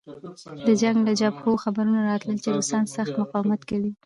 د جنګ له جبهو خبرونه راتلل چې روسان سخت مقاومت کوي